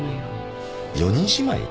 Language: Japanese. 四人姉妹？